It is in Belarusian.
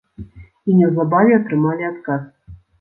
І неўзабаве атрымалі адказ.